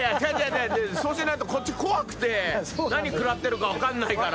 そうしないとこっち怖くて何食らってるか分かんないから。